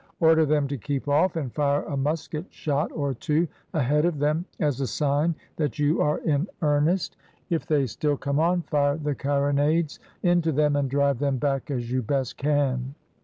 Order them to keep off, and fire a musket shot or two ahead of them, as a sign that you are in earnest. If they still come on, fire the carronades into them, and drive them back as you best can."